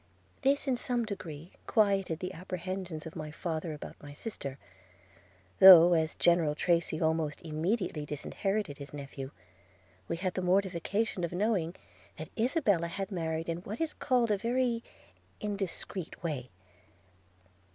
– This, in some degree, quieted the apprehensions of my father about my sister; though, as General Tracy almost immediately disinherited his nephew, we had the mortification of knowing that Isabella had married in what is called a very indiscreet way.